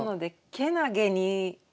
「けなげに」？